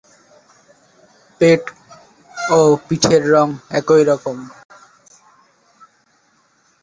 পিঠ ও পেটের রঙ একই রকম।